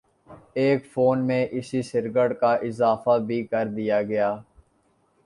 ایک فون میں "e cigarette" کا اضافہ بھی کر دیا گیا ہے